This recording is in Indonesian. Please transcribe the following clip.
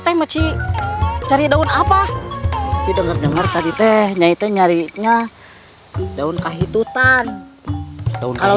teh mecik cari daun apa tidak dengar dengar tadi tehnya itu nyarinya daun kahit utan kalau